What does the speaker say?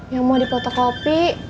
yang mau dipotokol